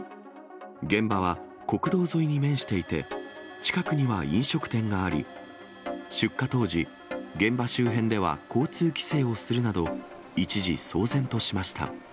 現場は国道沿いに面していて、近くには飲食店があり、出火当時、現場周辺では、交通規制をするなど、一時、騒然としました。